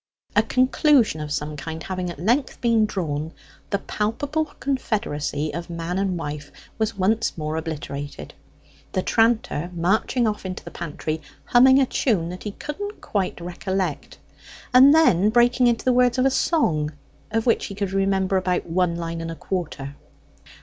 A conclusion of some kind having at length been drawn, the palpable confederacy of man and wife was once more obliterated, the tranter marching off into the pantry, humming a tune that he couldn't quite recollect, and then breaking into the words of a song of which he could remember about one line and a quarter.